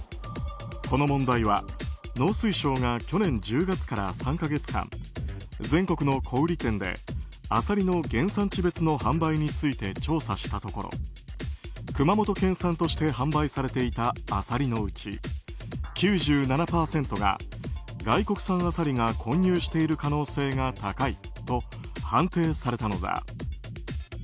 この問題は、農水省が去年１０月から３か月間全国の小売店でアサリの原産地別の販売について調査したところ熊本県産として販売されていたアサリのうち９７％が外国産アサリが混入している可能性が高いと判定されたのだ。